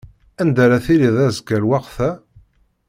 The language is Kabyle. Anda ara tiliḍ azekka lweqt-a?